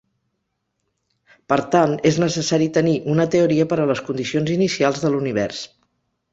Per tant, és necessari tenir una teoria per a les condicions inicials de l'univers.